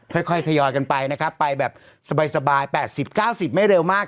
ค่อยค่อยขยายกันไปนะครับไปแบบสบายสบายแปดสิบเก้าสิบไม่เร็วมาก